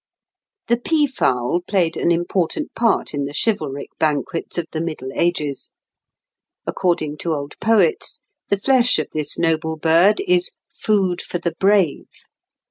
] The pea fowl played an important part in the chivalric banquets of the Middle Ages (Fig. 95). According to old poets the flesh of this noble bird is "food for the brave."